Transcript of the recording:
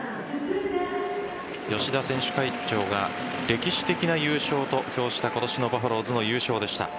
吉田選手会長が歴史的な優勝と評した今年のバファローズの優勝でした。